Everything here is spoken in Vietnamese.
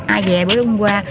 ai về bữa hôm qua